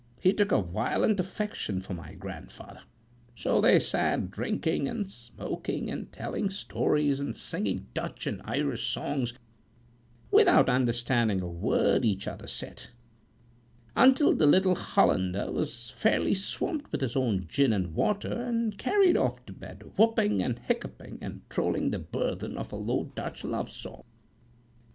He took a violent affection for my grandfather; so they sat drinking, and smoking, and telling stories, and singing Dutch and Irish songs, without understanding a word each other said, until the little Hollander was fairly swampt with his own gin and water, and carried off to bed, whooping and hiccuping, and trolling the burthen of a Low Dutch love song.